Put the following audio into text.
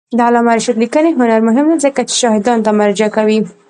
د علامه رشاد لیکنی هنر مهم دی ځکه چې شاهدانو ته مراجعه کوي.